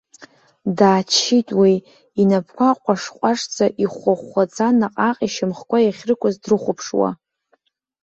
Дааччеит уи, инапқәа ҟәаш-ҟәашӡа, ихәхәахәхәаӡа наҟ-ааҟ ишьамхқәа иахьрықәыз дрыхәаԥшуа.